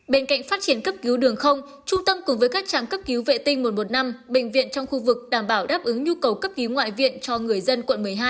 bên cạnh phát triển cấp cứu đường không trung tâm cùng với các trạm cấp cứu vệ tinh một trăm một mươi năm bệnh viện trong khu vực đảm bảo đáp ứng nhu cầu cấp cứu ngoại viện cho người dân quận một mươi hai